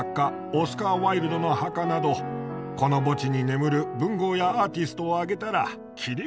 オスカー・ワイルドの墓などこの墓地に眠る文豪やアーティストを挙げたら切りがありません。